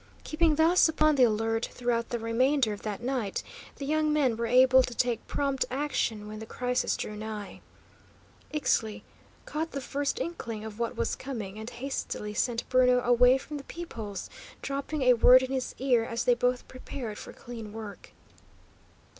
Keeping thus upon the alert throughout the remainder of that night, the young men were able to take prompt action when the crisis drew nigh. Ixtli caught the first inkling of what was coming, and hastily sent Bruno away from the peepholes, dropping a word in his ear as they both prepared for clean work.